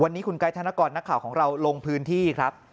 วันนี้คุณไกดธนกรนักข่าวของเราลงพื้นที่ครับ